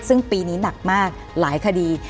ซึ่งปีนี้หนักมากหลายคดี